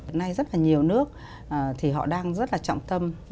hiện nay rất là nhiều nước thì họ đang rất là trọng tâm